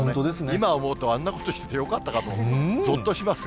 今思うと、あんなことしててよかったのかと思うと、ぞっとしますが。